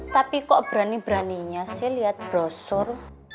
tapi kok berani beraninya sih liat brosur